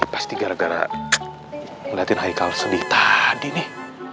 pasti gara gara ngeliatin haikal sendiri tadi nih